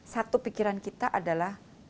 satu pikiran kita adalah